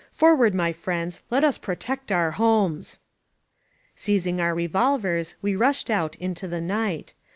Forward, my friends! Let us protect our homes!" Seizing our revolvers we rushed out into the night.